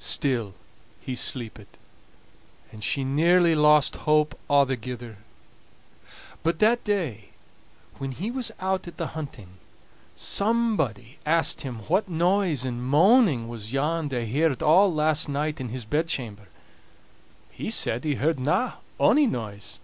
Still he sleepit, and she nearly lost hope a'thegither. But that day when he was out at the hunting, somebody asked him what noise and moaning was yon they heard all last night in his bedchamber. He said he heardna ony noise.